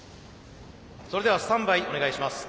それではスタンバイお願いします。